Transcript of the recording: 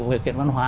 việc kiện văn hóa